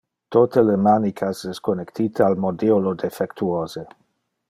Tote le manicas es connectite al modiolo defectuose.